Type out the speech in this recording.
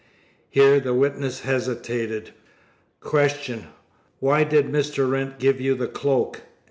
(here the witness hesitated). Q. Why did Mr. Wrent give you the cloak?